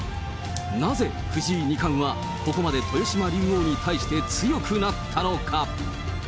なぜ、藤井二冠は、ここまで豊島竜王に対して強くなったのか。